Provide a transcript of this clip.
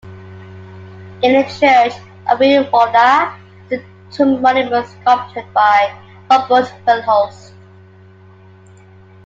In the Church of Midwolda is a tomb monument sculpted by Rombout Verhulst.